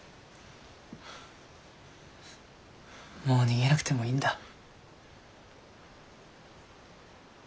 もう逃げなくてもいいんだ。